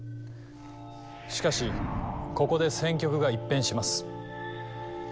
しかしここで戦局が一変します。